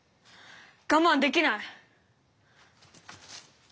我慢できない！